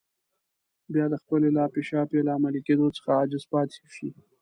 بيا د خپلې لاپې شاپې له عملي کېدو څخه عاجز پاتې شي.